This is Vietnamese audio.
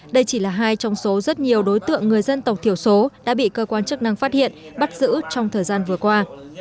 đây chỉ là hai trong số rất nhiều đối tượng người dân tộc thiểu số đã bị cơ quan chức năng phát hiện bắt giữ trong thời gian vừa qua